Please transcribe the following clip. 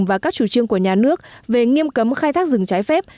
và các chủ trương của nhà nước về nghiêm cấm khai thác rừng trái phép